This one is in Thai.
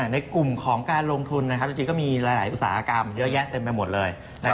ในกลุ่มของการลงทุนจริงก็มีหลายอุตสาหกรรมเยอะแยะเต็มไปหมดเลย